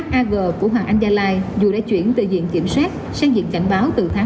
hag của hoàng anh gia lai dù đã chuyển từ diện kiểm soát sang diện kiểm soát của hvn